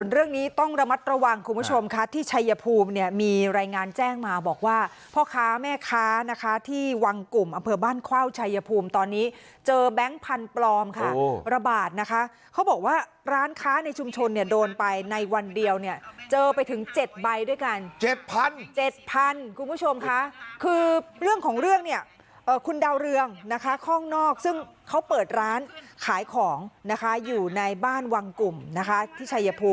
เรื่องนี้ต้องระมัดระวังคุณผู้ชมค่ะที่ชัยภูมิเนี่ยมีรายงานแจ้งมาบอกว่าพ่อค้าแม่ค้านะคะที่วังกลุ่มอำเภอบ้านเข้าชัยภูมิตอนนี้เจอแบงค์พันปลอมค่ะระบาดนะคะเขาบอกว่าร้านค้าในชุมชนเนี่ยโดนไปในวันเดียวเนี่ยเจอไปถึงเจ็ดใบด้วยกันเจ็ดพันเจ็ดพันคุณผู้ชมค่ะคือเรื่องของเรื่องเนี่ย